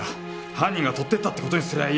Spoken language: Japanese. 犯人が盗っていったって事にすりゃいい。